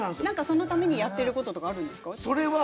そのためにやってることとかあるんですか？